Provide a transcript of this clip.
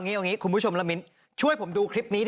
เงินเดือนเพิ่งเข้าเอง